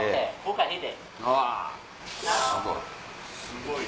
すごい。